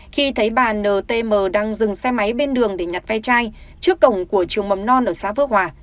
khi thấy bà ntm đang dừng xe máy bên đường để nhặt ve chai trước cổng của trường mầm non ở xã phước hòa